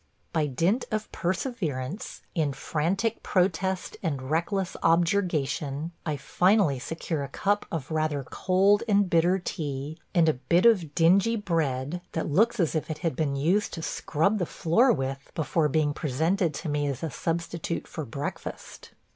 By dint of perseverance, in frantic protest and reckless objurgation, I finally secure a cup of rather cold and bitter tea and a bit of dingy bread that looks as if it had been used to scrub the floor with before being presented to me as a substitute for breakfast.